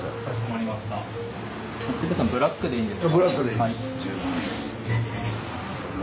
ブラックでいいんです。